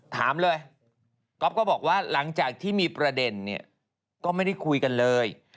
ถามเลยก๊อฟก็บอกว่าหลังจากที่มีประเด็นเนี่ยก็ไม่ได้คุยกันเลย